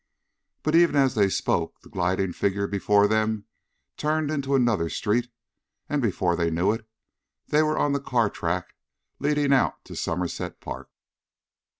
But even as they spoke, the gliding figure before them turned into another street, and before they knew it, they were on the car track leading out to Somerset Park.